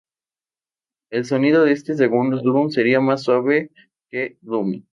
El sonido de este segundo álbum sería más suave que Dummy.